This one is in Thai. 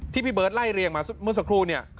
พี่เบิร์ตไล่เรียงมาเมื่อสักครู่เนี่ย